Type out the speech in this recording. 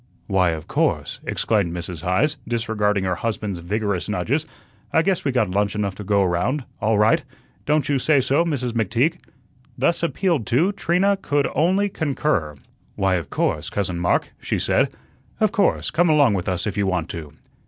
"Why, of course," exclaimed Mrs. Heise, disregarding her husband's vigorous nudges. "I guess we got lunch enough to go round, all right; don't you say so, Mrs. McTeague?" Thus appealed to, Trina could only concur. "Why, of course, Cousin Mark," she said; "of course, come along with us if you want to."